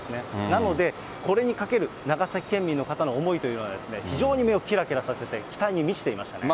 なので、これにかける長崎県民の方の思いというのは、非常に目をきらきらさせて、期待に満ちていましたね。